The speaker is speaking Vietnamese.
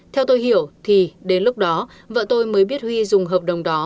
theo tôi hiểu thì đến lúc đó vợ tôi mới biết huy dùng hợp đồng đó